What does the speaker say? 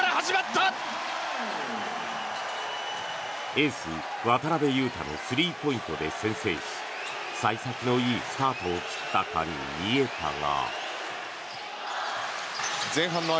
エース、渡邊雄太のスリーポイントで先制し幸先のいいスタートを切ったかに見えたが。